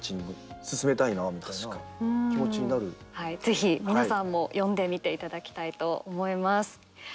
ぜひ皆さんも読んでみていただきたいと思います。